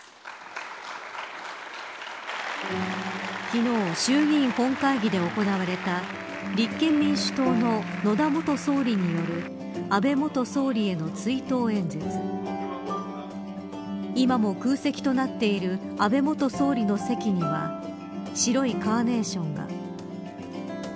昨日、衆議院本会議で行われた立憲民主党の野田元総理による安倍元総理への追悼演説。今も空席となっている安倍元総理の席には白いカーネーションが。